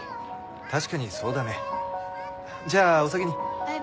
確かにそうだねじゃあお先に。